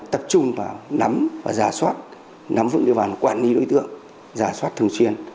tập trung vào nắm và giả soát nắm vững đi vào quản lý đối tượng giả soát thường xuyên